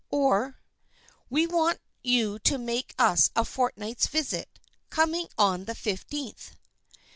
or, "We want you to make us a fortnight's visit, coming on the fifteenth."